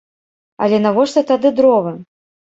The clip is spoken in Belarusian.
Але навошта тады дровы?